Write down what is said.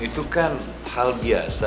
itu kan hal biasa